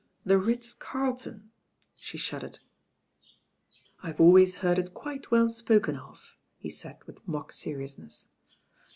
"The Ritz Carlton." She shuddered. "I've always heard It quite well spoken of," he said with mock seriousness.